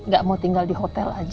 gak mau tinggal di hotel aja